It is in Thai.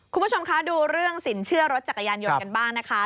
คุณผู้ชมคะดูเรื่องสินเชื่อรถจักรยานยนต์กันบ้างนะคะ